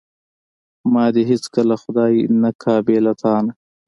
ما دې هیڅکله خدای نه کا بې له تانه.